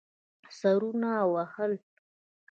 سرونه وهل.